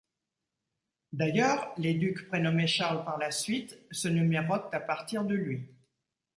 D'ailleurs, les ducs prénommés Charles par la suite se numérotent à partir de lui.